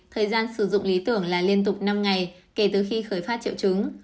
thời gian sử dụng lý tưởng là liên tục năm ngày kể từ khi khởi phát triệu chứng